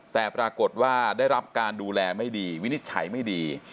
แต่ปรากฏว่าได้รับการดูแลไม่ดีวินิจฉัยไม่ดี